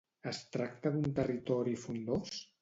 Es tracta d'un territori frondós?